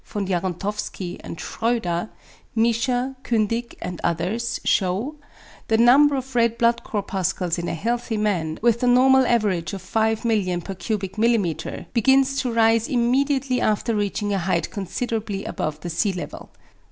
Jaruntowski and Schroeder, Miescher, Kündig and others, shew, the number of red blood corpuscles in a healthy man, with the normal average of 5,000,000 per mm.^, begins to rise immediately after reaching a height considerably above the sea level.